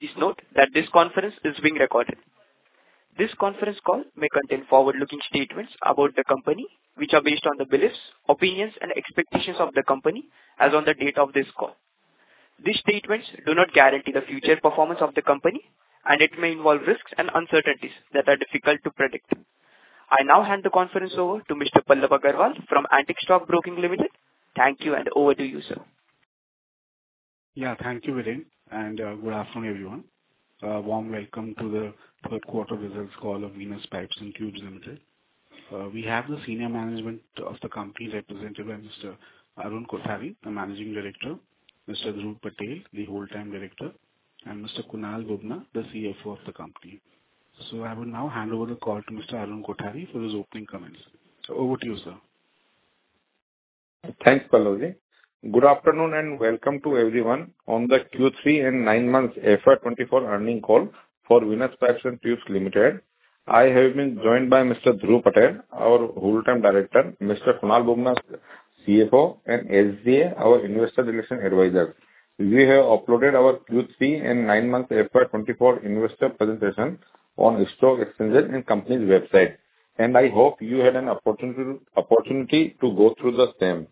Please note that this conference is being recorded. This conference call may contain forward-looking statements about the company, which are based on the beliefs, opinions, and expectations of the company as on the date of this call. These statements do not guarantee the future performance of the company, and it may involve risks and uncertainties that are difficult to predict. I now hand the conference over to Mr. Pallav Agarwal from Antique Stock Broking Limited. Thank you and over to you, sir. Yeah. Thank you, Viren, and good afternoon, everyone. A warm welcome to the third quarter results call of Venus Pipes and Tubes Limited. We have the senior management of the company represented by Mr. Arun Kothari, the Managing Director, Mr. Dhruv Patel, the Whole Time Director, and Mr. Kunal Bubna, the CFO of the company. I will now hand over the call to Mr. Arun Kothari for his opening comments. Over to you, sir. Thanks, Pallav. Good afternoon and welcome to everyone on the Q3 and nine months FY 2024 earning call for Venus Pipes and Tubes Limited. I have been joined by Mr. Dhruv Patel, our Whole Time Director, Mr. Kunal Bubna, CFO, and SGA, our Investor Relations Advisor. We have uploaded our Q3 and nine-month FY 2024 investor presentation on the stock exchange and company's website, and I hope you had an opportunity to go through the same.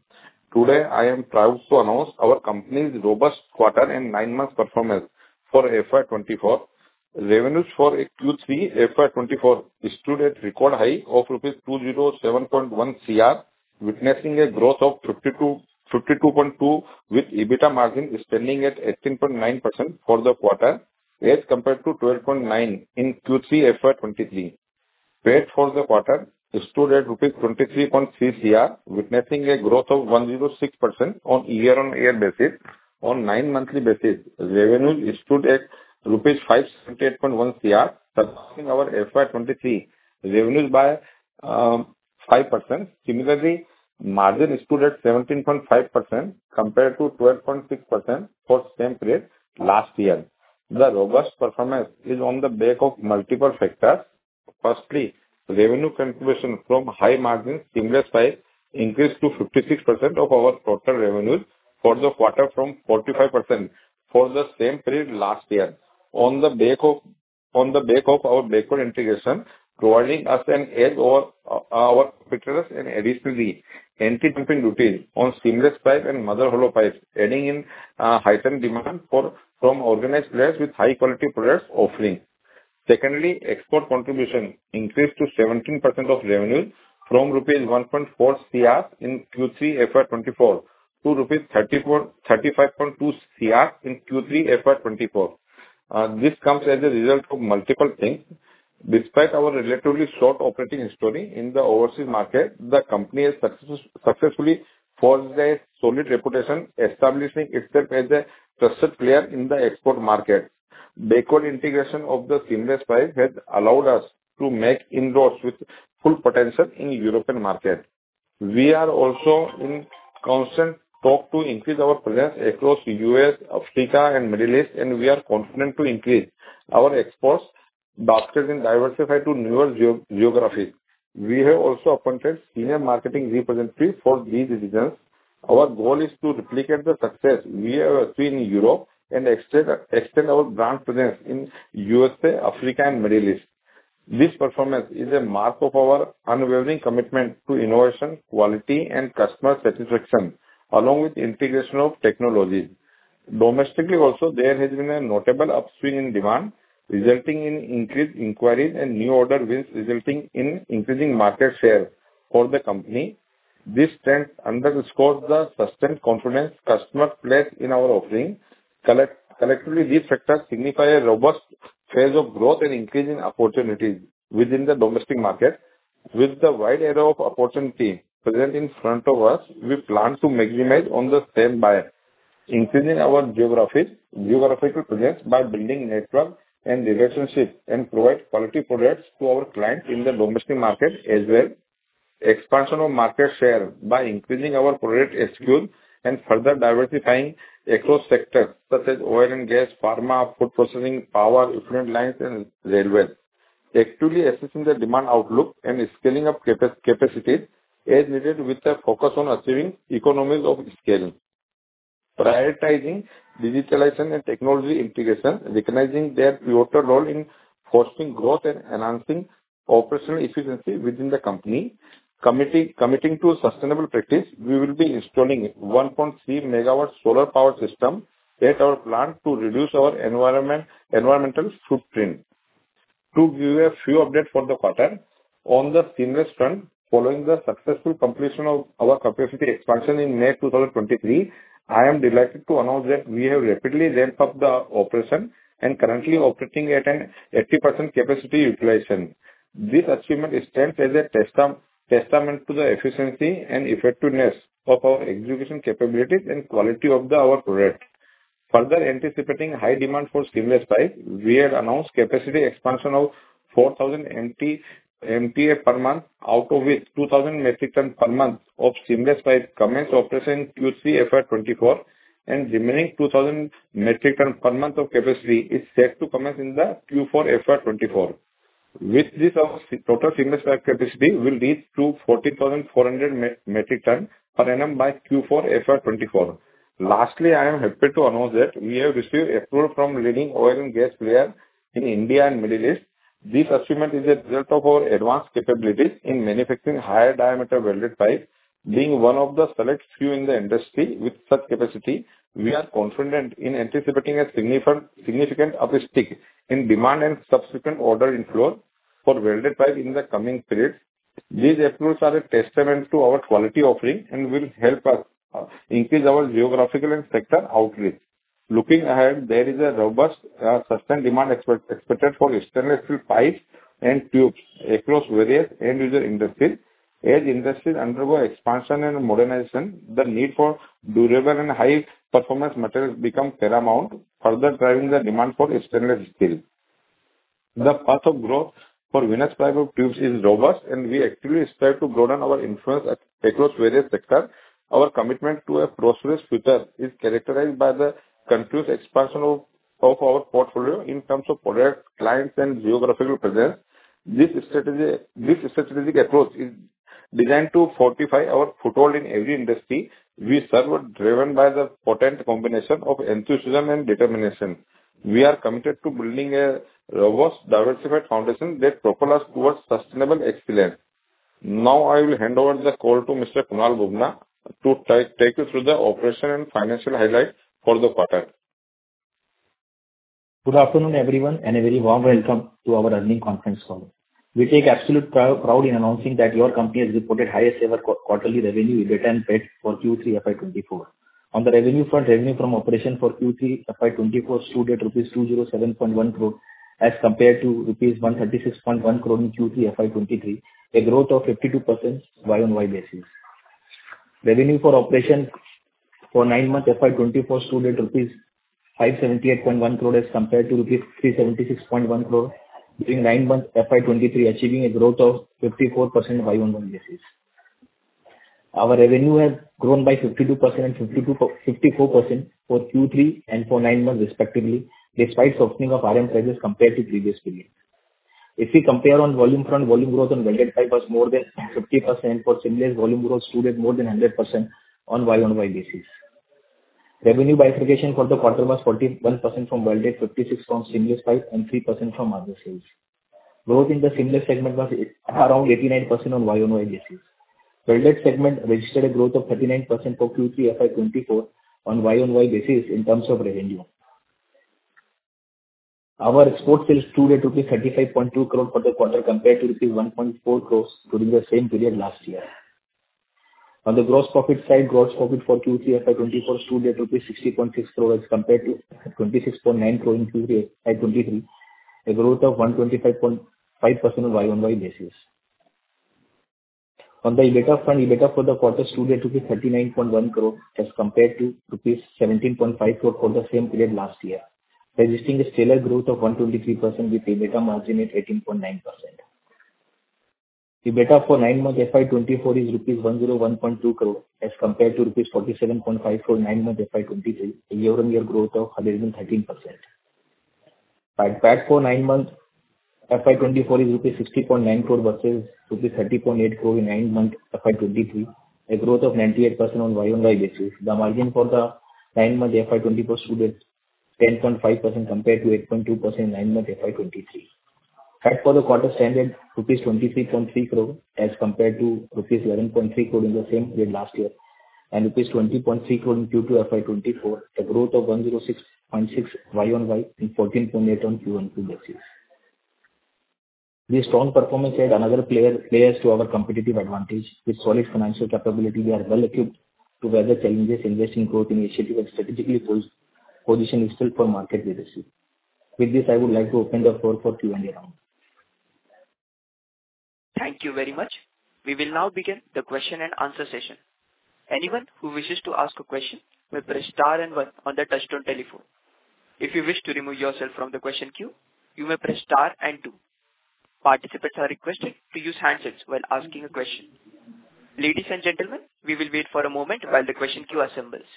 Today, I am proud to announce our company's robust quarter and nine-month performance for FY 2024. Revenues for Q3 FY 2024 stood at record high of rupees 207.1 crore, witnessing a growth of 52.2% with EBITDA margin standing at 18.9% for the quarter as compared to 12.9% in Q3 FY 2023. PAT for the quarter stood at rupees 23.3 crore, witnessing a growth of 106% on year-on-year basis. On nine monthly basis, revenue stood at rupees 578.1 crore, surpassing our FY 2023 revenues by 5%. Similarly, margin stood at 17.5% compared to 12.6% for the same period last year. The robust performance is on the back of multiple factors. Firstly, revenue contribution from high margin seamless pipe increased to 56% of our total revenues for the quarter from 45% for the same period last year. On the back of our backward integration, providing us an edge over our competitors and additionally, anti-dumping duty on seamless pipe and mother hollow pipes, adding in a heightened demand from organized players with high-quality products offering. Secondly, export contribution increased to 17% of revenue from rupees 1.4 crore in Q3 FY 2024 to INR 35.2 crore in Q3 FY 2024. This comes as a result of multiple things. Despite our relatively short operating history in the overseas market, the company has successfully forged a solid reputation, establishing itself as a trusted player in the export market. backward integration of the seamless pipe has allowed us to make inroads with full potential in European market. We are also in constant talk to increase our presence across U.S., Africa, and Middle East, and we are confident to increase our exports, faster, and diversify to newer geographies. We have also appointed senior marketing representatives for these regions. Our goal is to replicate the success we have seen in Europe and extend our brand presence in USA, Africa, and Middle East. This performance is a mark of our unwavering commitment to innovation, quality, and customer satisfaction, along with integration of technologies. Domestically also, there has been a notable upswing in demand, resulting in increased inquiries and new order wins, resulting in increasing market share for the company. This strength underscores the sustained confidence customers place in our offering. Collectively, these factors signify a robust phase of growth and increasing opportunities within the domestic market. With the wide array of opportunity present in front of us, we plan to maximize on the same by increasing our geographical presence by building network and relationships and provide quality products to our clients in the domestic market as well. Expansion of market share by increasing our product SKUs and further diversifying across sectors such as oil and gas, pharma, food processing, power, effluent lines, and railway. Actively assessing the demand outlook and scaling up capacities as needed with a focus on achieving economies of scaling. Prioritizing digitalization and technology integration, recognizing their pivotal role in fostering growth and enhancing operational efficiency within the company. Committing to sustainable practice, we will be installing a 1.3 MW solar power system at our plant to reduce our environmental footprint. To give you a few updates for the quarter. On the seamless front, following the successful completion of our capacity expansion in May 2023, I am delighted to announce that we have rapidly ramped up the operation and currently operating at an 80% capacity utilization. This achievement stands as a testament to the efficiency and effectiveness of our execution capabilities and quality of our product. Further anticipating high demand for seamless pipe, we had announced capacity expansion of 4,000 MT per month, out of which 2,000 metric ton per month of seamless pipe commenced operation Q3 FY 2024, and remaining 2,000 metric ton per month of capacity is set to commence in the Q4 FY 2024. With this, our total seamless pipe capacity will reach to 40,400 metric ton per annum by Q4 FY 2024. Lastly, I am happy to announce that we have received approval from leading oil and gas players in India and Middle East. This achievement is a result of our advanced capabilities in manufacturing higher diameter welded pipes. Being one of the select few in the industry with such capacity, we are confident in anticipating a significant uptick in demand and subsequent order inflow for welded pipes in the coming period. These approvals are a testament to our quality offering and will help us increase our geographical and sector outreach. Looking ahead, there is a robust sustained demand expected for stainless steel pipes and tubes across various end-user industries. As industries undergo expansion and modernization, the need for durable and high-performance materials become paramount, further driving the demand for stainless steel. The path of growth for Venus Pipes and Tubes is robust, and we actively aspire to broaden our influence across various sectors. Our commitment to a prosperous future is characterized by the continuous expansion of our portfolio in terms of products, clients, and geographical presence. This strategic approach is designed to fortify our foothold in every industry we serve, driven by the potent combination of enthusiasm and determination. We are committed to building a robust, diversified foundation that propels us towards sustainable excellence. I will hand over the call to Mr. Kunal Bhubna to take you through the operational and financial highlights for the quarter. Good afternoon, everyone, and a very warm welcome to our earnings conference call. We take absolute pride in announcing that your company has reported highest ever quarterly revenue, EBITDA and PAT for Q3 FY 2024. On the revenue front, revenue from operation for Q3 FY 2024 stood at rupees 207.1 crore as compared to rupees 136.1 crore in Q3 FY 2023, a growth of 52% year-on-year basis. Revenue for operations for nine months FY 2024 stood at rupees 578.1 crore as compared to rupees 376.1 crore during nine months FY 2023, achieving a growth of 54% year-on-year basis. Our revenue has grown by 52% and 54% for Q3 and for nine months respectively, despite softening of iron prices compared to previous period. If we compare on volume front, volume growth on welded pipe was more than 50%. For seamless, volume growth stood at more than 100% year-on-year basis. Revenue bifurcation for the quarter was 41% from welded, 56% from seamless pipes, and 3% from other sales. Growth in the seamless segment was around 89% year-on-year basis. Welded segment registered a growth of 39% for Q3 FY 2024 year-on-year basis in terms of revenue. Our export sales stood at rupees 35.2 crore for the quarter compared to rupees 1.4 crore during the same period last year. On the gross profit side, gross profit for Q3 FY 2024 stood at 60.6 crore rupees as compared to 26.9 crore in Q3 FY 2023, a growth of 125.5% year-on-year basis. On the EBITDA front, EBITDA for the quarter stood at 39.1 crore rupees as compared to rupees 17.5 crore for the same period last year, registering a stellar growth of 123% with EBITDA margin at 18.9%. EBITDA for nine months FY 2024 is rupees 101.2 crore as compared to rupees 47.5 crore nine months FY 2023, a year-over-year growth of 113%. PAT for nine months FY 2024 is 60.9 crore rupees versus 30.8 crore rupees in nine months FY 2023, a growth of 98% on year-over-year basis. The margin for the nine months FY 2024 stood at 10.5% compared to 8.2% nine month FY 2023. PAT for the quarter stand at rupees 23.3 crore as compared to rupees 11.3 crore in the same period last year and rupees 20.3 crore in Q2 FY 2024, a growth of 106.6% year-over-year and 14.8% quarter-over-quarter basis. This strong performance adds another layers to our competitive advantage. With solid financial capability, we are well equipped to weather challenges, invest in growth initiatives, and strategically position itself for market leadership. With this, I would like to open the floor for Q&A round. Thank you very much. We will now begin the question and answer session. Anyone who wishes to ask a question may press star and one on their touchtone telephone. If you wish to remove yourself from the question queue, you may press star and two. Participants are requested to use handsets when asking a question. Ladies and gentlemen, we will wait for a moment while the question queue assembles.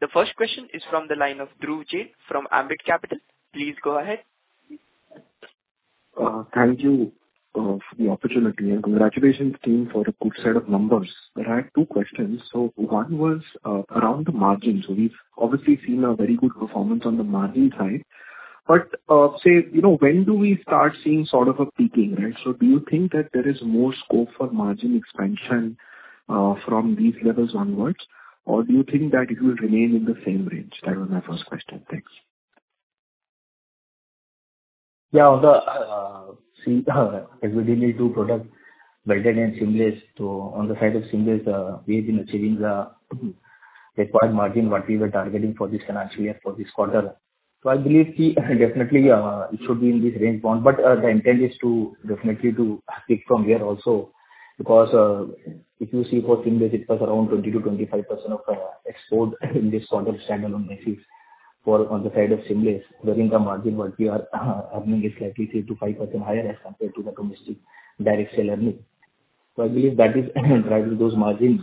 The first question is from the line of Dhruv Jain from Ambit Capital. Please go ahead. Thank you for the opportunity and congratulations team for a good set of numbers. I have two questions. One was around the margin. We've obviously seen a very good performance on the margin side. Say, when do we start seeing sort of a peaking, right? Do you think that there is more scope for margin expansion from these levels onwards, or do you think that it will remain in the same range? That was my first question. Thanks. We mainly do product welded and seamless. On the side of seamless, we have been achieving the required margin, what we were targeting for this financial year for this quarter. I believe, definitely it should be in this range bound. The intent is definitely to pick from here also, because if you see for seamless it was around 20%-25% of export in this quarter stand-alone basis. On the side of seamless, the income margin what we are earning is slightly 3%-5% higher as compared to the domestic direct sale earning. I believe that is driving those margins.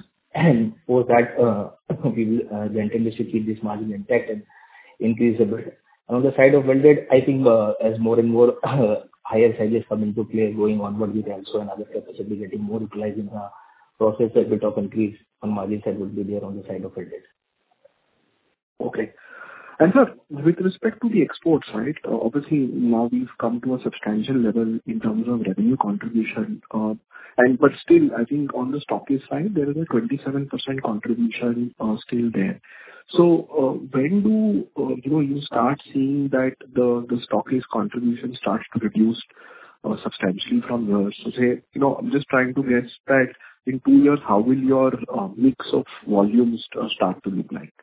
For that, the intention is to keep this margin intact and increase a bit. On the side of welded, I think as more and more higher sizes come into play going onward, we can also have the capacity getting more utilized in the process, a bit of increase on margin side would be there on the side of welded. Okay. Sir, with respect to the exports, obviously now we've come to a substantial level in terms of revenue contribution. Still, I think on the stockiest side, there is a 27% contribution still there. When do you start seeing that the stockiest contribution starts to reduce substantially from the? Say, I'm just trying to guess that in two years, how will your mix of volumes start to look like?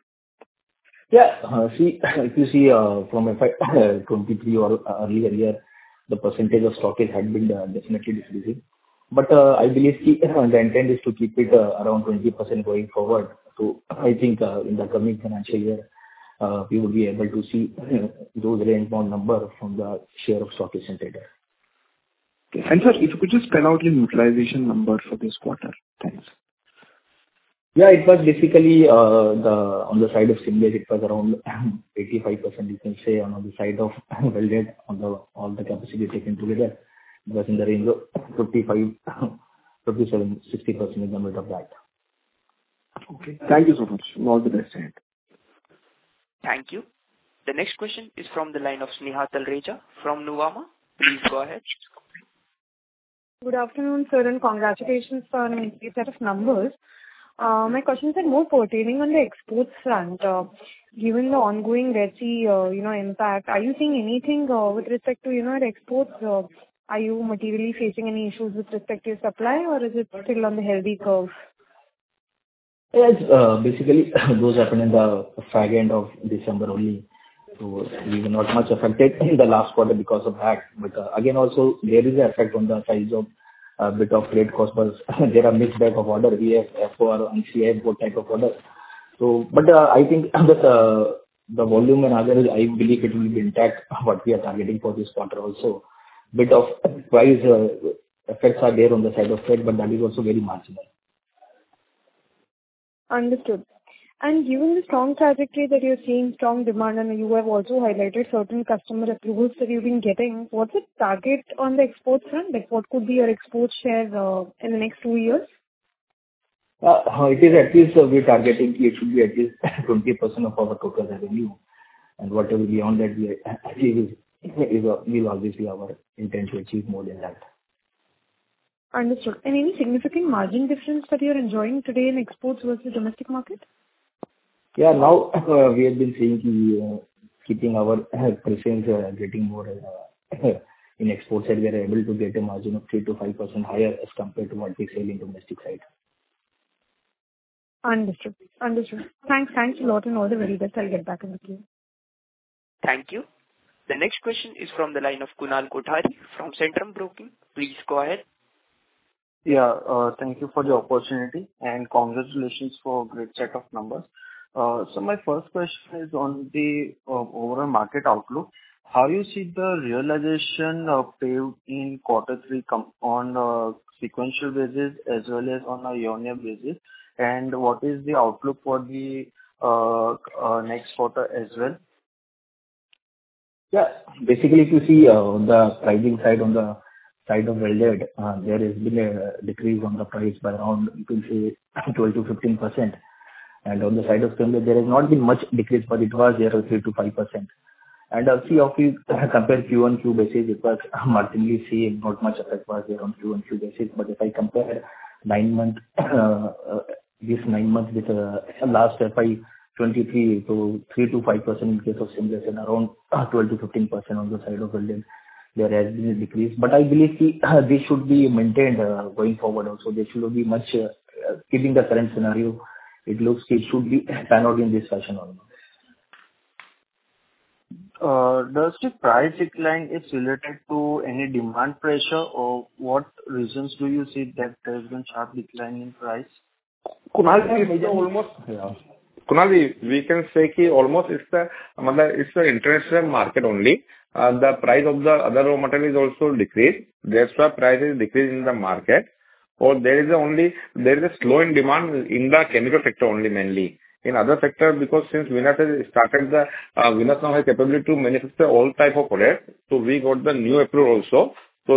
Yeah. If you see from FY 2023 or earlier year, the percentage of stockage had been definitely decreasing. I believe the intent is to keep it around 20% going forward. I think in the coming financial year, we would be able to see those refined numbers from the share of stockage integrated. Okay. Sir, if you could just spell out the utilization number for this quarter. Thanks. It was basically on the side of seamless it was around 85% you can say. On the side of welded, all the capacity taken together, it was in the range of 55%, 57%, 60% in the midst of that. Okay. Thank you so much. All the best ahead. Thank you. The next question is from the line of Sneha Talreja from Nuvama. Please go ahead. Good afternoon, sir. Congratulations on an impressive set of numbers. My question is more pertaining on the exports front. Given the ongoing Red Sea impact, are you seeing anything with respect to your exports? Are you materially facing any issues with respect to your supply, or is it still on the healthy curve? Yes. Basically, those happened in the fag end of December only. We were not much affected in the last quarter because of that. Again, also there is an effect on the price of bit of freight cost because there are mixed type of order. We have air, sea and road type of order. I think the volume and other, I believe it will be intact what we are targeting for this quarter also. Bit of price effects are there on the side of freight, but that is also very marginal. Understood. Given the strong trajectory that you're seeing, strong demand, you have also highlighted certain customer approvals that you've been getting, what's the target on the export front? Like, what could be your export shares in the next two years? It is at least we're targeting it should be at least 20% of our total revenue. Whatever beyond that we achieve is obviously our intent to achieve more than that. Understood. Any significant margin difference that you're enjoying today in exports versus domestic market? Yeah. Now we have been seeing, keeping our presence, getting more in export side, we are able to get a margin of 3%-5% higher as compared to what we see in domestic side. Understood. Thanks a lot and all the very best. I'll get back in the queue. Thank you. The next question is from the line of Kunal Kothari from Centrum Broking. Please go ahead. Yeah, thank you for the opportunity and congratulations for great set of numbers. My first question is on the overall market outlook. How you see the realization of sales in quarter three on a sequential basis as well as on a year-on-year basis? What is the outlook for the next quarter as well? Yeah. Basically, if you see on the pricing side, on the side of welded, there has been a decrease on the price by around, you can say, 12%-15%. On the side of seamless there has not been much decrease, but it was around 3%-5%. If you compare quarter-on-quarter basis, it was marginally same, not much effect was there on quarter-on-quarter basis. If I compare this nine months with last FY 2023, 3%-5% in case of seamless and around 12%-15% on the side of welded, there has been a decrease. I believe this should be maintained going forward also. Keeping the current scenario, it looks it should be pan out in this fashion only. Does the price decline is related to any demand pressure, or what reasons do you see that there has been sharp decline in price? Kunal- Kunal, we can say almost it's the international market only. The price of the other raw material has also decreased. Therefore, price is decreased in the market, there is a slow in demand in the chemical sector only mainly. In other sector, because since Venus now has capability to manufacture all type of products. We got the new approval also.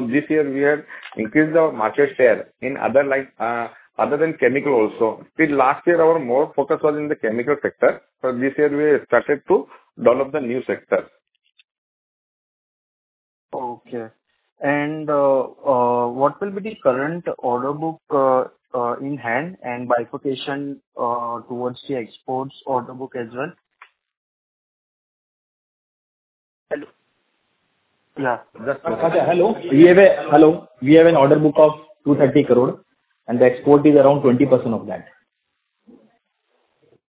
This year we have increased our market share in other than chemical also. Till last year, our more focus was in the chemical sector, this year we have started to develop the new sector. Okay. What will be the current order book in hand and bifurcation towards the exports order book as well? Hello. Yeah. Kunal, hello. We have an order book of 230 crore and the export is around 20% of that.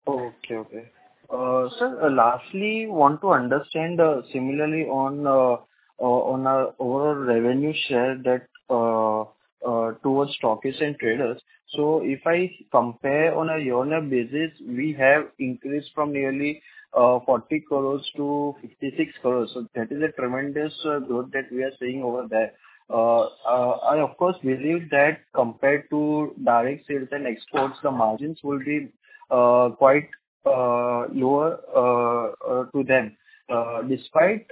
Okay. Sir, lastly, want to understand similarly on our overall revenue share towards stockists and traders. If I compare on a year-on-year basis, we have increased from nearly 40 crore to 56 crore. That is a tremendous growth that we are seeing over there. I, of course, believe that compared to direct sales and exports, the margins will be quite lower to them. Despite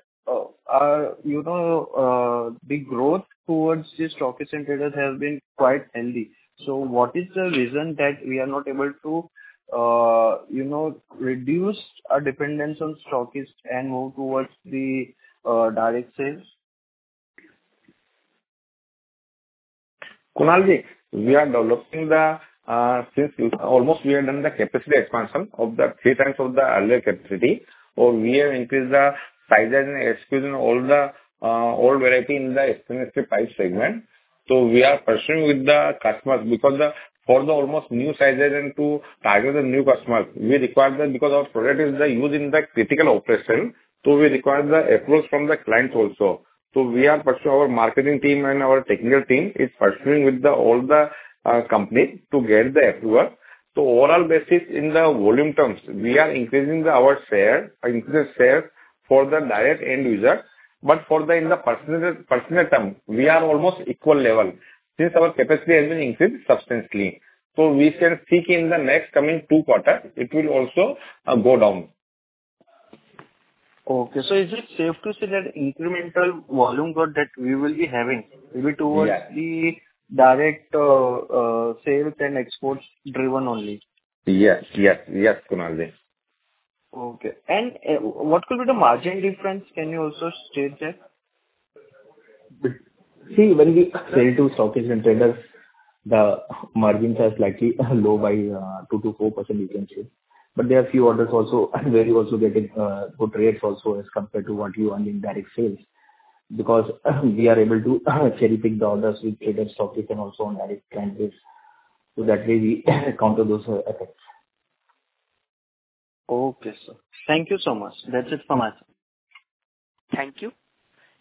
the growth towards the stockists and traders has been quite healthy. What is the reason that we are not able to reduce our dependence on stockists and move towards the direct sales? Kunalji, we are developing the Almost we have done the capacity expansion of the 3 times of the earlier capacity, or we have increased the sizes and expertise in all variety in the stainless steel pipe segment. We are pursuing with the customers because for the almost new sizes and to target the new customers, we require them because our product is used in the critical operation, we require the approvals from the clients also. We are pursuing our marketing team and our technical team is pursuing with all the companies to get the approval. Overall basis in the volume terms, we are increasing our share, increased share for the direct end user, but in the percentage term, we are almost equal level since our capacity has been increased substantially. We can see in the next coming 2 quarters, it will also go down. Okay. Is it safe to say that incremental volume growth that we will be having will be towards- Yes the direct sales and exports-driven only? Yes, Kunalji. Okay. What will be the margin difference? Can you also state that? When we sell to stockists and traders, the margins are slightly low by 2%-4%, you can say. There are few orders also where you are also getting good rates also as compared to what you earn in direct sales. We are able to cherry-pick the orders with traders, stockists and also on direct clients base. That way we counter those effects. Okay, sir. Thank you so much. That's it from us. Thank you.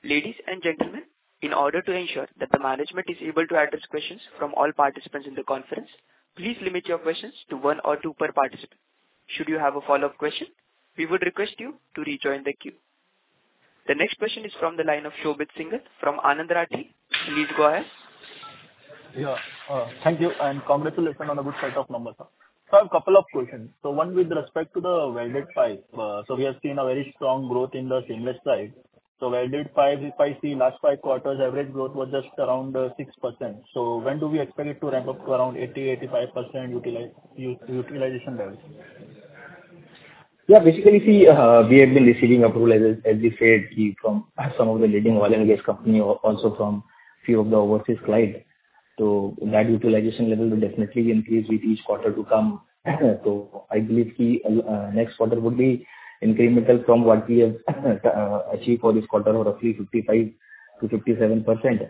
Ladies and gentlemen, in order to ensure that the management is able to address questions from all participants in the conference, please limit your questions to one or two per participant. Should you have a follow-up question, we would request you to rejoin the queue. The next question is from the line of Shobhit Singhal from Anand Rathi. Please go ahead. Thank you, and congratulations on the good set of numbers. I have a couple of questions. One with respect to the welded pipes. We are seeing a very strong growth in the seamless pipes. Welded pipes, if I see last five quarters, average growth was just around 6%. When do we expect it to ramp up to around 80%-85% utilization levels? Yeah, basically, see, we have been receiving approvals, as we said, from some of the leading oil and gas company, also from few of the overseas clients. That utilization level will definitely increase with each quarter to come. I believe next quarter would be incremental from what we have achieved for this quarter of roughly 55%-57%,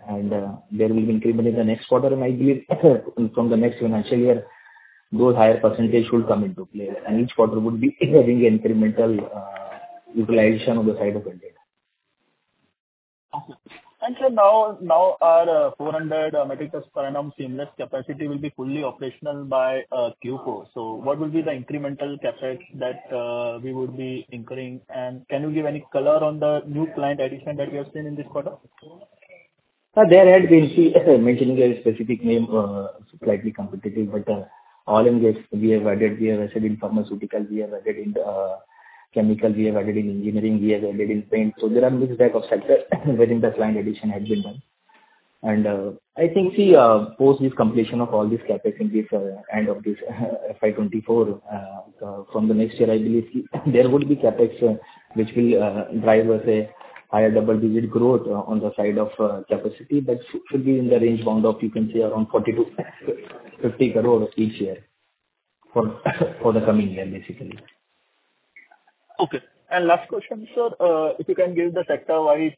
and there will be increment in the next quarter, and I believe from the next financial year, those higher percentages should come into play. Each quarter would be having incremental utilization on the side of welded. Sir now our 400 metric ton per annum seamless capacity will be fully operational by Q4. What will be the incremental CapEx that we would be incurring, and can you give any color on the new plant addition that we have seen in this quarter? Sir, there as we see, mentioning a specific name slightly competitive, oil and gas we have added, we have added in pharmaceutical, we have added in chemical, we have added in engineering, we have added in paint. There are mix bag of sectors wherein the plant addition has been done. I think see, post this completion of all this CapEx in this end of this FY 2024, from the next year, I believe there would be CapEx which will drive us a higher double-digit growth on the side of capacity. That should be in the range bound of, you can say around 40 crore-50 crore each year for the coming year, basically. Okay. Last question, sir. If you can give the sector-wise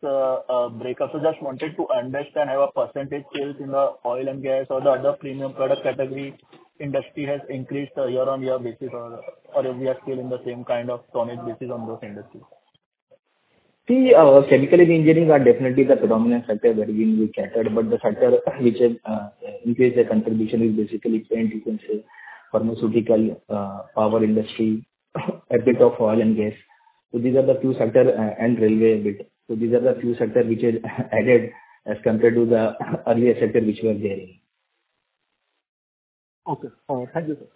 breakout. Just wanted to understand how a percentage sales in the oil and gas or the other premium product category industry has increased year-over-year basis or if we are still in the same kind of tonnage basis on those industries. Chemical and engineering are definitely the predominant sector wherein we catered, the sector which has increased their contribution is basically paint, you can say, pharmaceutical, power industry, a bit of oil and gas. These are the few sectors, and railway a bit. These are the few sectors which has added as compared to the earlier sector which were there. Okay. Thank you, sir.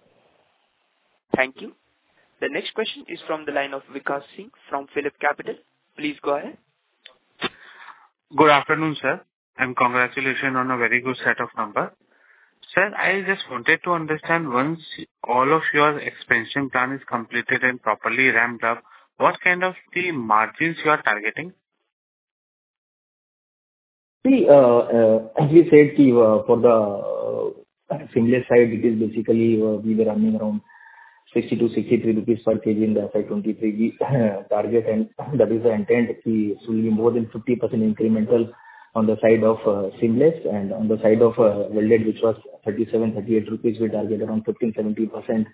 Thank you. The next question is from the line of Vikas Singh from PhillipCapital. Please go ahead. Good afternoon, sir, and congratulations on a very good set of numbers. Sir, I just wanted to understand, once all of your expansion plan is completed and properly ramped up, what kind of margins you are targeting? As we said, for the seamless side, it is basically we were running around INR 60 to INR 63 per kg in the FY 2023 target. That is the intent. It will be more than 50% incremental On the side of seamless and on the side of welded, which was 37 rupees, 38 rupees, we target around 15%, 17%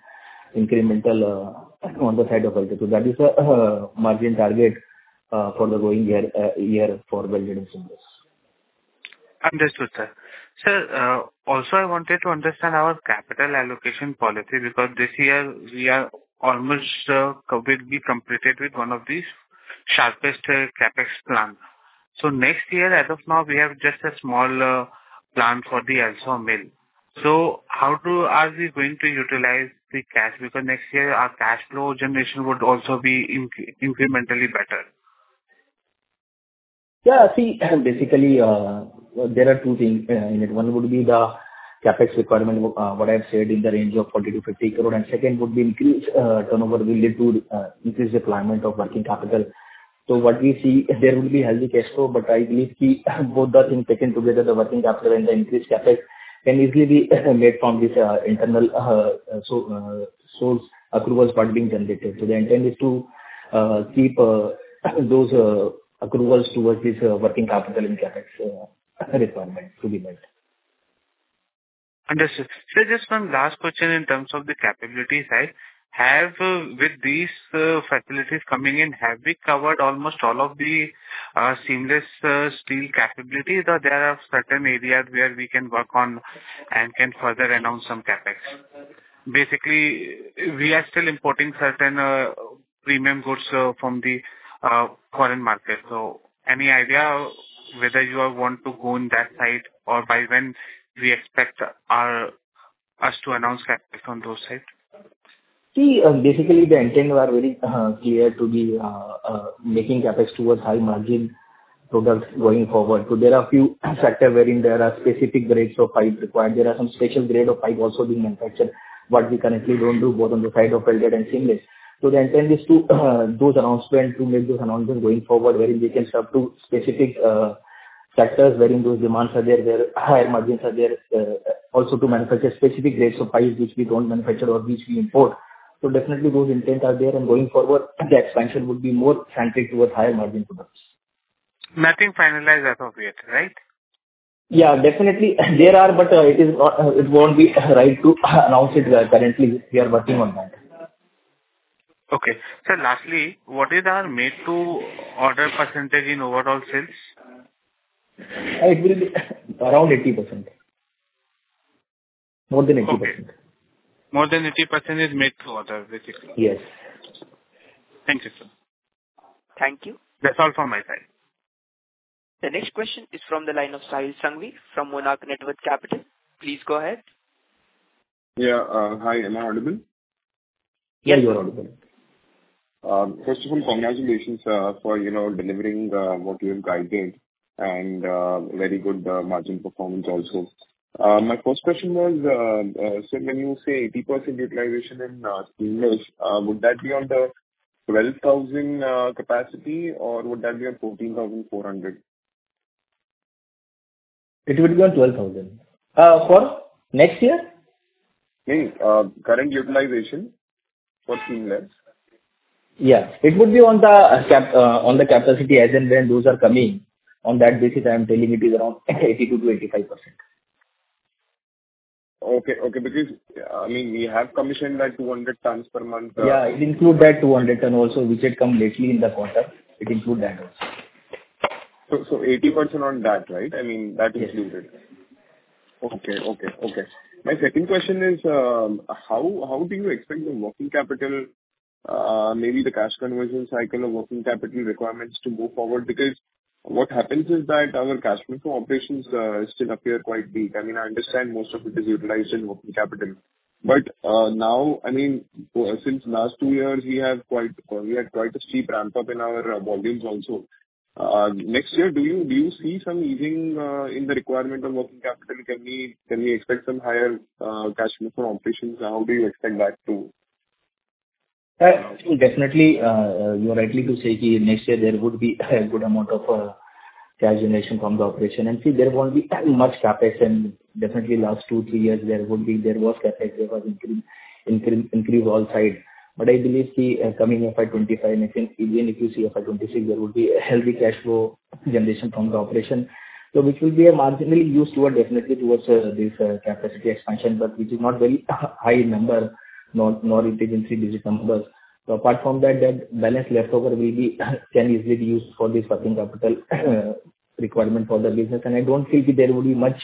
incremental on the side of welded. That is the margin target for the going year for welded and seamless. Understood, sir. Sir, also I wanted to understand our capital allocation policy because this year we are almost completely completed with one of these sharpest CapEx plans. Next year, as of now, we have just a small plan for the LSAW mill. How are we going to utilize the cash? Next year, our cash flow generation would also be incrementally better. Yeah, see, basically, there are two things in it. One would be the CapEx requirement, what I've said, in the range of 40 crore-50 crore. Second would be increased turnover will lead to increased deployment of working capital. What we see, there would be healthy cash flow, I believe both are in second together, the working capital and the increased CapEx can easily be made from this internal source accruals what being generated. The intent is to keep those accruals towards this working capital and CapEx requirement to be met. Understood. Sir, just one last question in terms of the capability side. With these facilities coming in, have we covered almost all of the seamless steel capabilities or there are certain areas where we can work on and can further announce some CapEx? Basically, we are still importing certain premium goods from the foreign market. Any idea whether you want to go on that side or by when we expect us to announce CapEx on those sides? Basically, the intent are very clear to be making CapEx towards high-margin products going forward. There are a few sectors wherein there are specific grades of pipe required. There are some special grade of pipe also being manufactured, what we currently don't do, both on the side of welded and seamless. The intent is to those announcements, to make those announcements going forward, wherein we can serve to specific sectors wherein those demands are there, where higher margins are there, also to manufacture specific grades of pipes which we don't manufacture or which we import. Definitely those intents are there, and going forward, the expansion would be more slanted towards higher margin products. Nothing finalized as of yet, right? Yeah, definitely. But it won't be right to announce it currently. We are working on that. Okay. Sir, lastly, what is our make to order % in overall sales? It will be around 80%. More than 80%. Okay. More than 80% is made to order, basically. Yes. Thank you, sir. Thank you. That's all from my side. The next question is from the line of Sahil Sanghi from Monarch Networth Capital. Please go ahead. Yeah. Hi, am I audible? Yes, you are audible. First of all, congratulations for delivering what you have guided and very good margin performance also. My first question was, when you say 80% utilization in seamless, would that be on the 12,000 capacity or would that be on 14,400? It would be on 12,000. For next year? No. Current utilization for seamless. Yeah. It would be on the capacity as and when those are coming. On that basis, I am telling it is around 82%-85%. Okay. We have commissioned that 200 tons per month. Yeah, it includes that 200 ton also which had come lately in the quarter. It includes that also. 80% on that, right? That is included. Yes. Okay. My second question is, how do you expect the working capital, maybe the cash conversion cycle or working capital requirements to move forward? What happens is that our cash flow from operations still appear quite weak. I understand most of it is utilized in working capital. Now, since last 2 years, we had quite a steep ramp-up in our volumes also. Next year, do you see some easing in the requirement of working capital? Can we expect some higher cash flow from operations, and how do you expect that to. I think definitely, you are right to say next year there would be good amount of cash generation from the operation. See, there won't be much CapEx and definitely last 2, 3 years there was CapEx, there was increased all sides. I believe, coming FY 2025 and I think even if you see FY 2026, there would be a healthy cash flow generation from the operation. Which will be marginally used towards this capacity expansion, but which is not very high number, nor into 3-digit numbers. Apart from that, the balance leftover can easily be used for this working capital requirement for the business. I don't think there would be much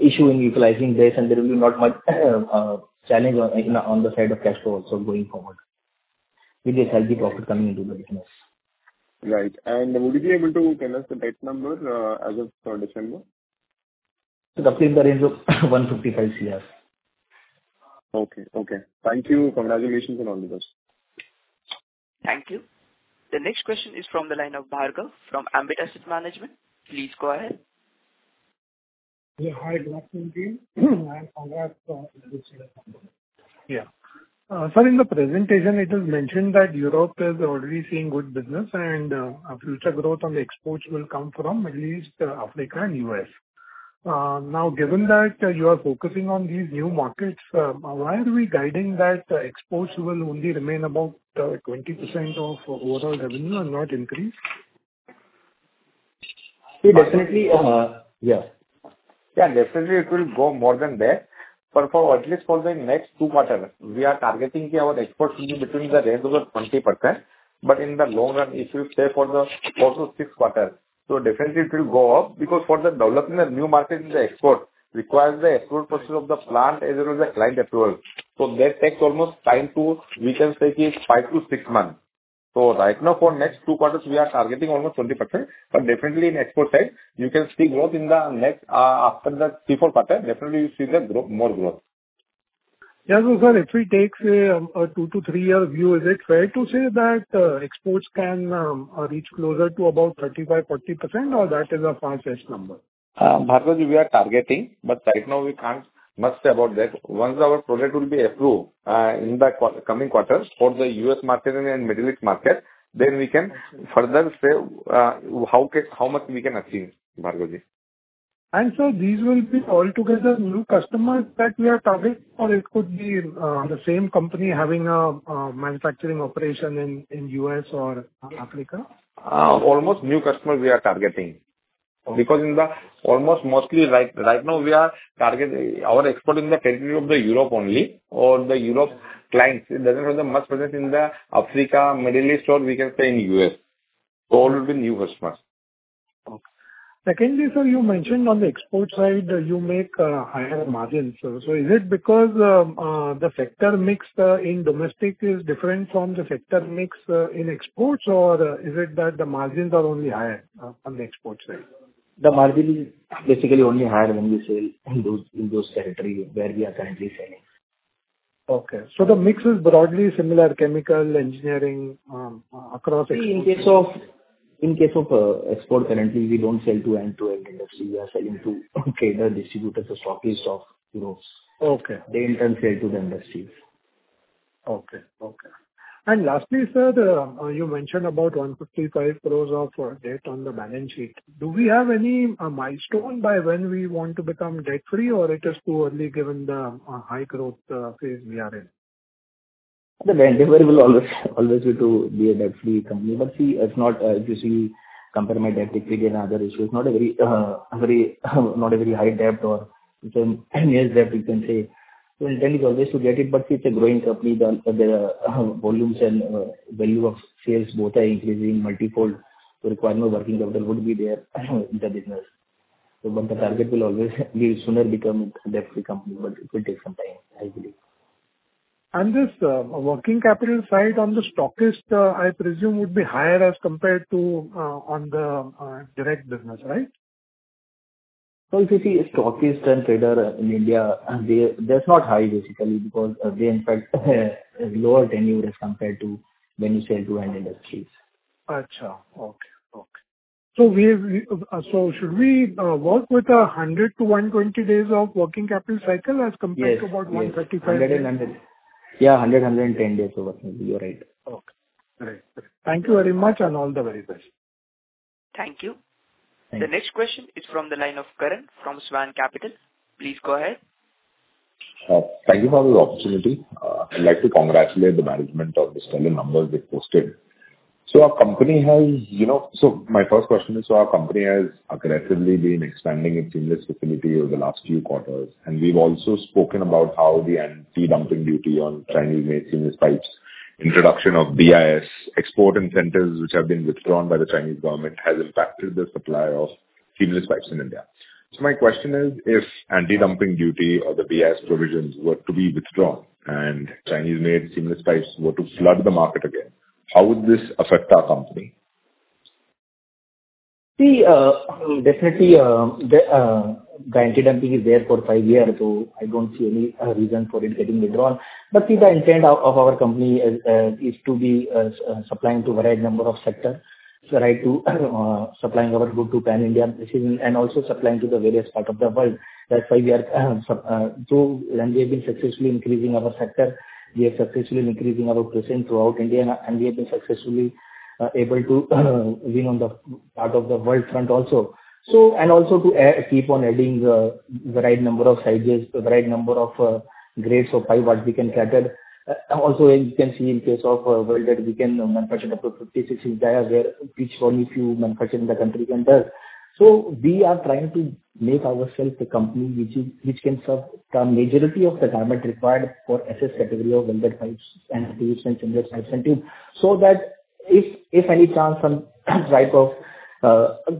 issue in utilizing this and there will be not much challenge on the side of cash flow also going forward with this healthy profit coming into the business. Right. Would you be able to tell us the debt number as of December? Roughly in the range of 155 crore. Okay. Thank you. Congratulations and all the best. Thank you. The next question is from the line of Bhargav from Ambit Asset Management. Please go ahead. Hi, good afternoon. Congrats on a good set of numbers. Sir, in the presentation it is mentioned that Europe is already seeing good business and our future growth on the exports will come from Middle East, Africa, and U.S. Given that you are focusing on these new markets, why are we guiding that exports will only remain about 20% of overall revenue and not increase? See, definitely- Yeah. Definitely it will go more than that. For at least for the next two quarters, we are targeting our exports to be between the range of 20%. In the long run, it will stay for the four to six quarters. Definitely it will go up because for the development of new market in the export requires the approval process of the plant as well as the client approval. That takes almost time to, we can say, five to six months. Right now for next two quarters, we are targeting almost 20%. Definitely in export side, you can see growth after the three, four quarters, definitely you'll see more growth. Sir, if we take a two to three-year view, is it fair to say that exports can reach closer to about 35%-40% or that is a far-fetched number? Bhargavji, we are targeting, right now we can't much say about that. Once our project will be approved in the coming quarters for the U.S. market and Middle East market, we can further say how much we can achieve, Bhargavji. These will be altogether new customers that we are targeting, or it could be the same company having a manufacturing operation in U.S. or Africa? Almost new customers we are targeting. Almost mostly right now we are targeting our export in the territory of the Europe only or the Europe clients. It doesn't have that much presence in the Africa, Middle East, or we can say in U.S. All will be new customers. Okay. Secondly, sir, you mentioned on the export side, you make higher margins. Is it because the factor mix in domestic is different from the factor mix in exports, or is it that the margins are only higher on the export side? The margin is basically only higher when we sell in those territory where we are currently selling. Okay. The mix is broadly similar, chemical, engineering, across exports. In case of export, currently, we don't sell to end-to-end industry. We are selling to trader, distributors, or stockists of Europe. Okay. They in turn sell to the industries. Okay. Lastly, sir you mentioned about 155 million of debt on the balance sheet. Do we have any milestone by when we want to become debt-free, or it is too early given the high growth phase we are in? The endeavor will always be to be a debt-free company. If you compare my debt with other issuers, not a very high debt or it's a nil debt you can say. The intent is always to get it, but it's a growing company. The volumes and value of sales both are increasing multifold. The requirement of working capital would be there in the business. The target will always be sooner become a debt-free company, but it will take some time, I believe. This working capital side on the stockist, I presume would be higher as compared to on the direct business, right? If you see a stockist and trader in India, that's not high basically because they in fact have lower tenure as compared to when you sell to end industries. Okay. Should we work with 100 to 120 days of working capital cycle as compared to about? Yes. 100 and 110 days. You're right. Okay. All right, sir. Thank you very much, and all the very best. Thank you. Thank you. The next question is from the line of Karan from Swan Capital. Please go ahead. Thank you for this opportunity. I'd like to congratulate the management of the stellar numbers they've posted. My first question is, our company has aggressively been expanding its seamless facility over the last few quarters, and we've also spoken about how the anti-dumping duty on Chinese-made seamless pipes, introduction of BIS export incentives, which have been withdrawn by the Chinese government, has impacted the supply of seamless pipes in India. My question is, if anti-dumping duty or the BIS provisions were to be withdrawn and Chinese-made seamless pipes were to flood the market again, how would this affect our company? Definitely the anti-dumping is there for five years, I don't see any reason for it getting withdrawn. The intent of our company is to be supplying to a variety of sectors. Right to supplying our good to pan-India and also supplying to the various parts of the world. That's why we have been successfully increasing our sector. We are successfully increasing our presence throughout India, and we have been successfully able to win on the part of the world front also. Also to keep on adding the right number of sizes, the right number of grades of pipe what we can cater. Also, as you can see in case of welded, we can manufacture up to 56-inch diameter which only few manufacturers in the country can do. We are trying to make ourselves a company which can serve the majority of the requirements required for SS category of welded pipes and tubes and seamless pipes and tubes, that if any chance some type of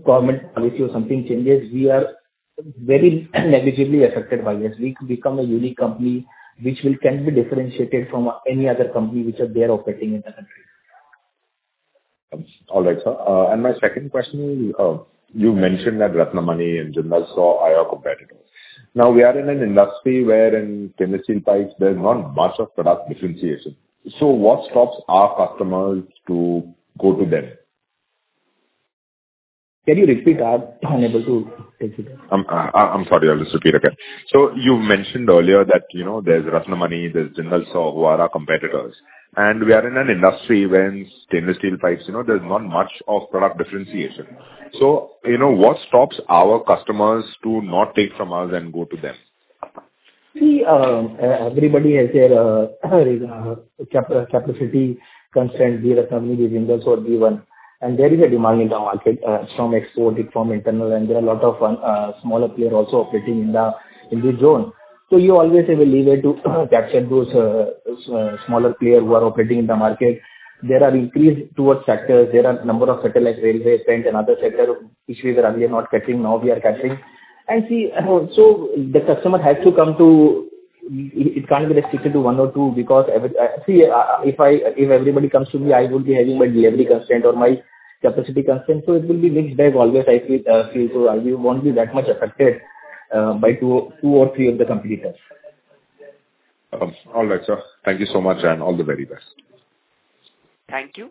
government policy or something changes, we are very negligibly affected by this. We become a unique company which can be differentiated from any other company which are there operating in the country. All right, sir. My second question is, you mentioned that Ratnamani and Jindal Saw are our competitors. Now we are in an industry where in stainless steel pipes, there's not much of product differentiation. What stops our customers to go to them? Can you repeat? I'm unable to take it. I'm sorry. I'll just repeat again. You mentioned earlier that there's Ratnamani, there's Jindal Saw who are our competitors, and we are in an industry when stainless steel pipes, there's not much of product differentiation. What stops our customers to not take from us and go to them? See, everybody has their capacity constraints be it from the vendors or be one. There is a demand in the market from export, from internal, and there are a lot of smaller players also operating in the zone. You always have a leeway to capture those smaller players who are operating in the market. There are increased towards sectors. There are number of satellite railway, trench, and other sector which we were earlier not catering, now we are catering. See, the customer has to come to It can't be restricted to one or two because, see, if everybody comes to me, I would be having my delivery constraint or my capacity constraint. It will be mixed bag always, I feel. We won't be that much affected by two or three of the competitors. All right, sir. Thank you so much, and all the very best. Thank you.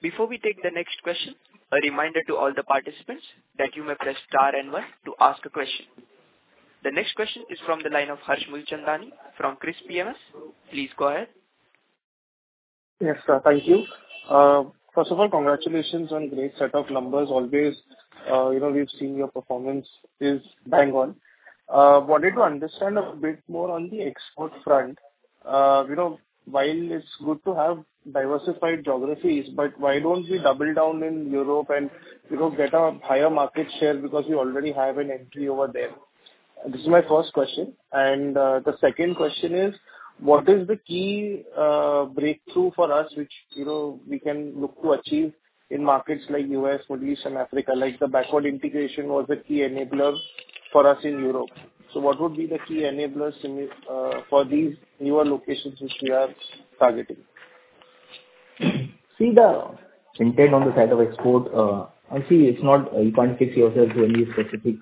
Before we take the next question, a reminder to all the participants that you may press star and one to ask a question. The next question is from the line of Harshmul Chandani from KRIIS PMS. Please go ahead. Yes, sir. Thank you. First of all, congratulations on great set of numbers always. We've seen your performance is bang on. Wanted to understand a bit more on the export front. While it's good to have diversified geographies, why don't we double down in Europe and get a higher market share because you already have an entry over there? This is my first question. The second question is, what is the key breakthrough for us which we can look to achieve in markets like U.S., Middle East, and Africa? Like the backward integration was a key enabler for us in Europe. What would be the key enablers for these newer locations which we are targeting? The intent on the side of export, you can't fix yourself to any specific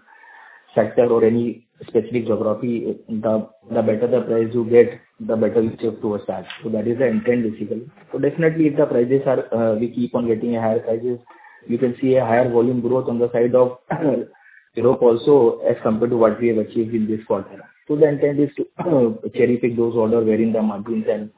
sector or any specific geography. The better the price you get, the better you shift towards that. That is the intent, basically. Definitely, if the prices are, we keep on getting higher prices, you can see a higher volume growth on the side of Europe also as compared to what we have achieved in this quarter. The intent is to cherry-pick those orders where in the margins and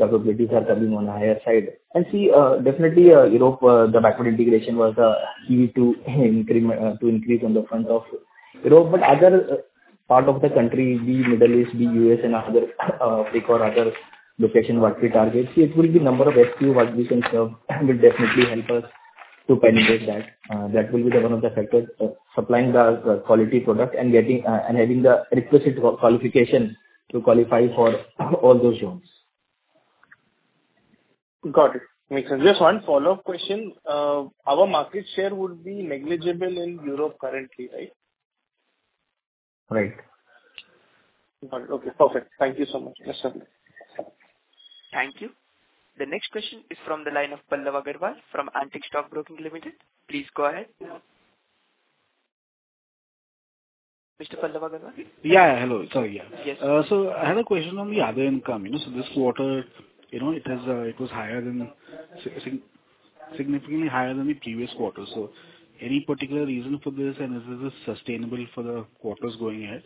profitability are coming on the higher side. Definitely Europe, the backward integration was a key to increase on the front of Europe. Other part of the country, be Middle East, be U.S. and Africa or other location what we target. It will be number of SKU what we can serve will definitely help us to penetrate that. That will be the one of the factors. Supplying the quality product and having the requisite qualification to qualify for all those zones. Got it. Makes sense. Just one follow-up question. Our market share would be negligible in Europe currently, right? Right. Got it. Okay, perfect. Thank you so much. Yes, sir. Thank you. The next question is from the line of Pallav Agarwal from Antique Stock Broking Limited. Please go ahead. Mr. Pallav Agarwal. Yeah, hello. Sorry. Yes. I had a question on the other income. This quarter it was significantly higher than the previous quarter. Any particular reason for this, and is this sustainable for the quarters going ahead?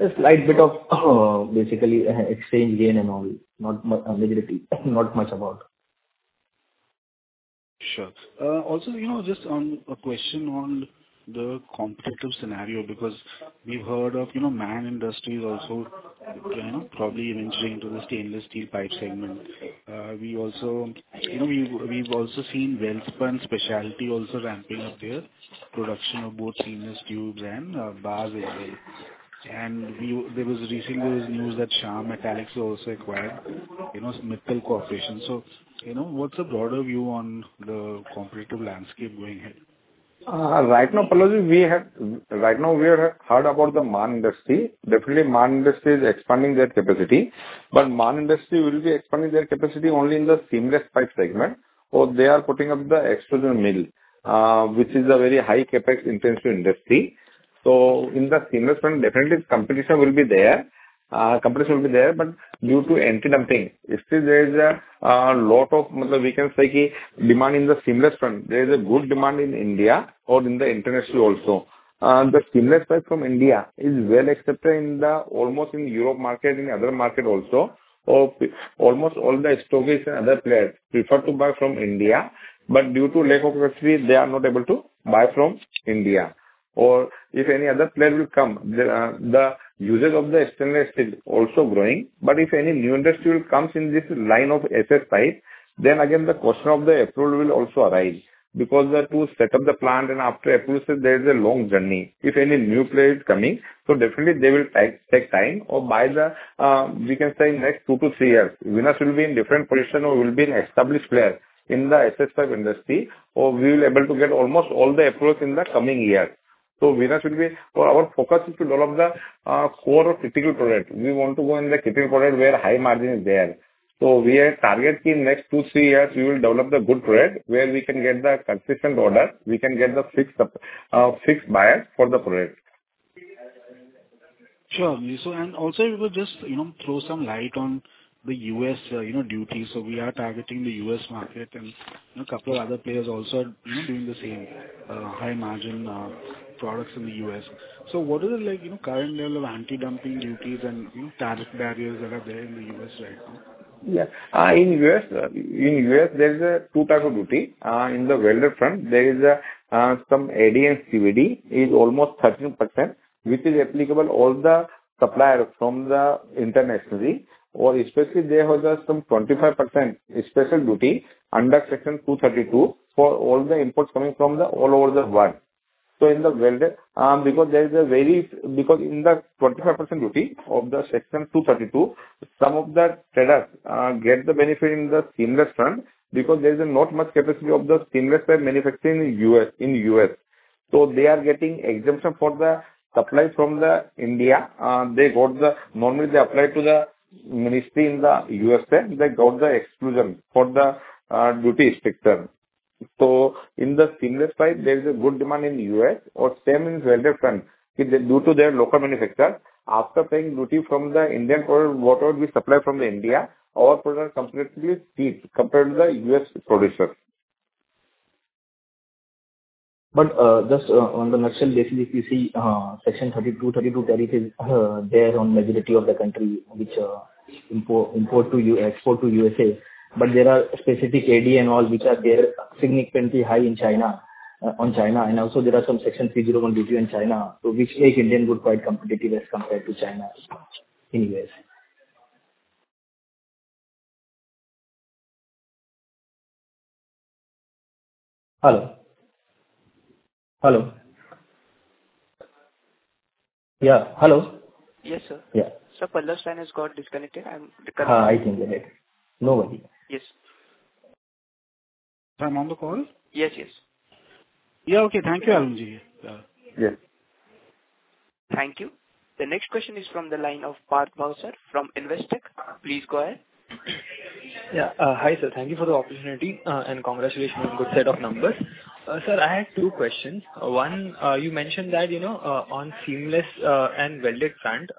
A slight bit of basically exchange gain and all. Negligible. Not much about. Sure. Just a question on the competitive scenario because we've heard of Man Industries also probably entering into the stainless steel pipe segment. We've also seen Welspun Specialty also ramping up their production of both seamless tubes and bars, Ra. Recently there was news that Shyam Metalics was also acquired, Mittal Corporation. What's the broader view on the competitive landscape going ahead? Right now, Pallav, we have heard about the Man Industries. Definitely Man Industries is expanding their capacity, but Man Industries will be expanding their capacity only in the seamless pipe segment. They are putting up the extrusion mill, which is a very high CapEx-intensive industry. In the seamless segment, definitely competition will be there. Due to anti-dumping, still there is a lot of, we can say, demand in the seamless front. There is a good demand in India or in the international also. The seamless pipe from India is well accepted almost in Europe market, in other market also. Almost all the stockists and other players prefer to buy from India, but due to lack of capacity, they are not able to buy from India. If any other player will come, the usage of the stainless steel also growing. If any new industry will come in this line of SS pipe, again, the question of the approval will also arise. Because to set up the plant and after approval, there is a long journey. If any new player is coming, definitely they will take time. By the, we can say next two to three years, Venus will be in different position or will be an established player in the SS pipe industry, or we will able to get almost all the approvals in the coming years. Our focus is to develop the core or critical product. We want to go in the critical product where high margin is there. We are targeting next two, three years, we will develop the good product where we can get the consistent order, we can get the fixed buyers for the product. Sure. Also if you would just throw some light on the U.S. duties. We are targeting the U.S. market and a couple of other players also are doing the same. High margin products in the U.S. What is the current level of anti-dumping duties and tariff barriers that are there in the U.S. right now? Yeah. In U.S., there is 2 types of duty. In the welded front, there is some AD and CVD is almost 13%, which is applicable all the supplier from the internationally or especially there was some 25% special duty under Section 232 for all the imports coming from all over the world. In the welded. In the 25% duty of the Section 232, some of the traders get the benefit in the seamless front because there is not much capacity of the seamless pipe manufacturing in U.S. They are getting exemption for the supply from the India. Normally, they apply to the ministry in the U.S.A., they got the exclusion for the duty structure. In the seamless pipe, there is a good demand in the U.S. or same in welded front due to their local manufacture. After paying duty from the Indian port, whatever we supply from India, our product completely is cheap compared to the U.S. producer. Just on the nutshell basis, we see Section 232 tariff is there on majority of the country which export to U.S. There are specific AD and all, which are there significantly high on China. Also there are some Section 301 duty on China. Which makes Indian good quite competitive as compared to China in U.S. Hello. Hello? Yeah, hello. Yes, sir. Yeah. Sir, Pallav's line has got disconnected. I am recovering. Yeah, I think so. No worry. Yes. Am I on the call? Yes, yes. Yeah. Okay. Thank you, Arunji. Yeah. Thank you. The next question is from the line of Parth Mousa from Investec. Please go ahead. Yeah. Hi, sir. Thank you for the opportunity, and congratulations on good set of numbers. Sir, I had two questions. One, you mentioned that on seamless and welded front,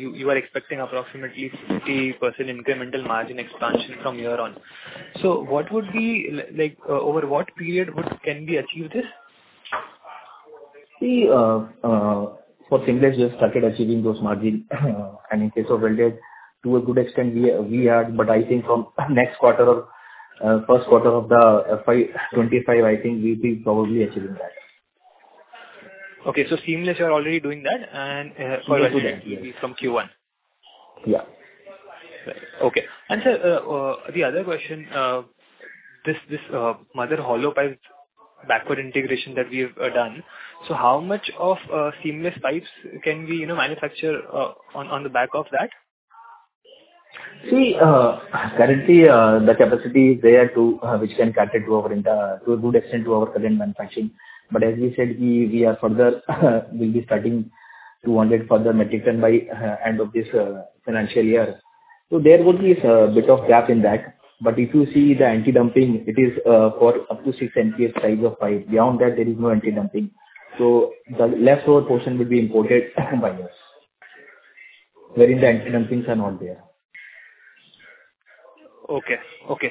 you are expecting approximately 60% incremental margin expansion from here on. Over what period can we achieve this? See, for seamless, we have started achieving those margin. In case of welded, to a good extent, we are. I think from next quarter or first quarter of the FY 2025, I think we'll be probably achieving that. Okay. Seamless, you are already doing that. Already doing that. From Q1. Yeah. Okay. Sir, the other question, this mother hollow pipe backward integration that we have done. How much of seamless pipes can we manufacture on the back of that? Currently, the capacity is there which can cater to a good extent to our current manufacturing. As we said, we will be starting 200 further metric ton by end of this financial year. There would be a bit of gap in that. If you see the anti-dumping, it is for up to 6 NPS size of pipe. Beyond that, there is no anti-dumping. The leftover portion will be imported by us, wherein the anti-dumpings are not there. Okay.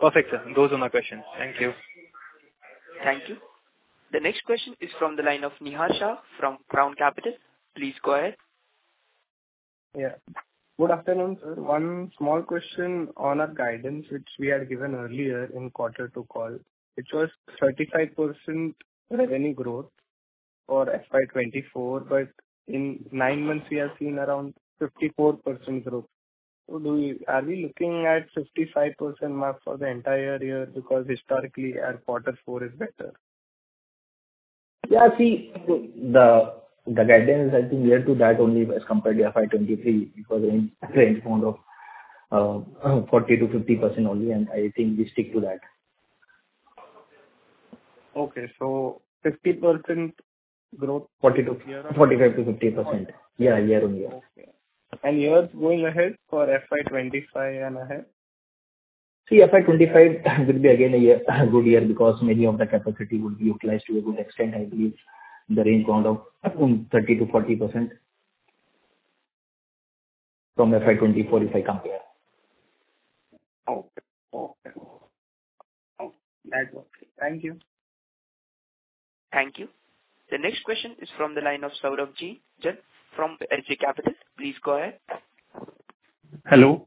Perfect, sir. Those are my questions. Thank you. Thank you. The next question is from the line of Nihal Shah from Crown Capital. Please go ahead. Yeah. Good afternoon, sir. One small question on our guidance, which we had given earlier in quarter two call. It was 35%. Right In 9 months we have seen around 54% growth. Are we looking at 55% mark for the entire year? Historically our quarter four is better. Yeah. See, the guidance is I think year to that only as compared to FY 2023 because in range point of 40%-50% only. I think we stick to that. Okay. 50% growth. 45%-50%. 45. Yeah, year-on-year. Okay. Years going ahead for FY 2025 and ahead? See, FY 2025 will be again a good year because many of the capacity would be utilized to a good extent. I believe the range around of 30%-40% from FY 2024 if I compare. Okay. That's okay. Thank you. Thank you. The next question is from the line of Saurabhjit from LJ Capital. Please go ahead. Hello.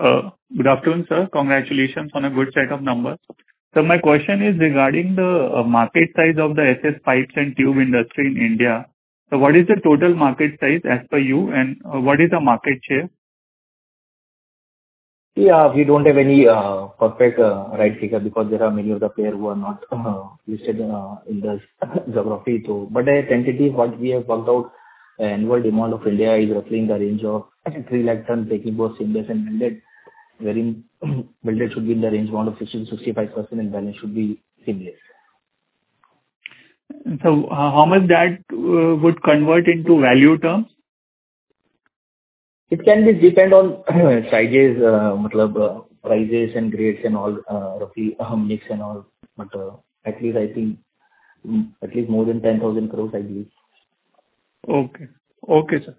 Good afternoon, sir. Congratulations on a good set of numbers. Sir, my question is regarding the market size of the SS pipes and tube industry in India. What is the total market size as per you and what is the market share? Yeah. We don't have any perfect right figure because there are many of the player who are not listed in this geography. Tentatively, what we have worked out, annual demand of India is roughly in the range of three lakh ton, taking both seamless and welded, wherein welded should be in the range around of 50%-65% and balance should be seamless. How much that would convert into value terms? It can be depend on prices, matlab, prices and grades and all, roughly, mix and all. At least I think at least more than 10,000 crores, I believe. Okay. Okay, sir.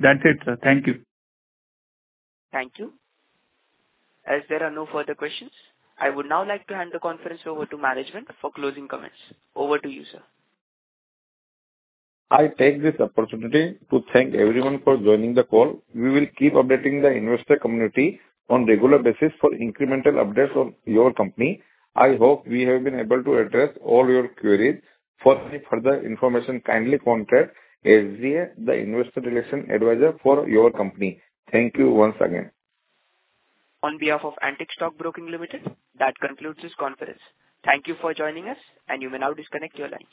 That's it, sir. Thank you. Thank you. As there are no further questions, I would now like to hand the conference over to management for closing comments. Over to you, sir. I take this opportunity to thank everyone for joining the call. We will keep updating the investor community on regular basis for incremental updates of your company. I hope we have been able to address all your queries. For any further information, kindly contact SGA, the investor relation advisor for your company. Thank you once again. On behalf of Antique Stock Broking Limited, that concludes this conference. Thank you for joining us, and you may now disconnect your lines.